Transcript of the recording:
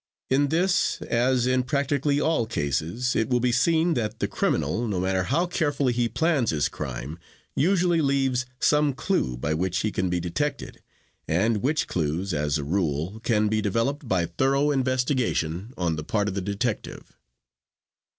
In this, as in practically all cases, it will be seen that the criminal, no matter how carefully he plans his crime, usually leaves some clue by which he can be detected, and which clues, as a rule, can be developed by thorough investigation on the part of the detective.